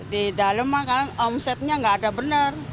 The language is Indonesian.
di dalam maka omzetnya nggak ada benar